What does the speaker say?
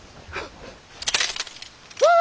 ああ！